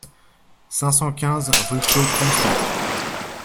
cinq cent quinze rue Claude Constant